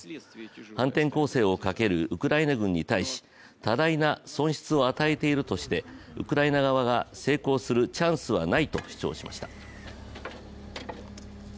反転攻勢をかけるウクライナ軍に対し、多大な損失を与えているとしてウクライナ側が成功するチャンスはないと主張しました。